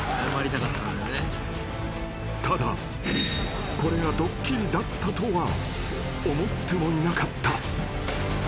［ただこれがドッキリだったとは思ってもいなかった］